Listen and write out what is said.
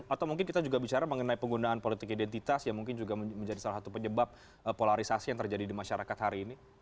atau mungkin kita juga bicara mengenai penggunaan politik identitas yang mungkin juga menjadi salah satu penyebab polarisasi yang terjadi di masyarakat hari ini